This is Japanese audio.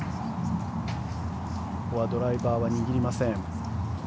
ここはドライバーは握りません。